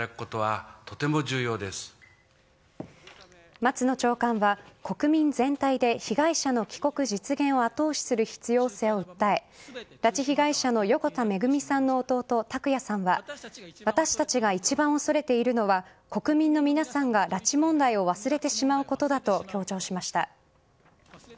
松野長官は、国民全体で被害者の帰国実現を後押しする必要性を訴え拉致被害者の横田めぐみさんの弟・拓也さんは私たちが一番恐れているのは国民の皆さんが拉致問題を忘れてしまうことだと強調しました。